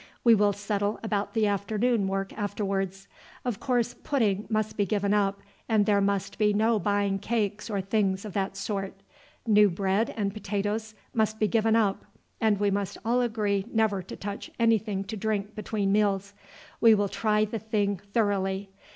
We will settle about the afternoon work afterwards. Of course pudding must be given up, and there must be no buying cakes or things of that sort. New bread and potatoes must be given up, and we must all agree never to touch anything to drink between meals. We will try the thing thoroughly.